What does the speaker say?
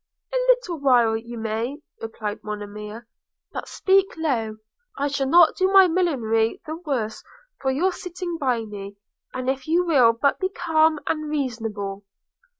'A little while you may,' replied Monimia: 'but speak low – I shall not do my millinery the worse for your sitting by me, if you will but be calm and reasonable.'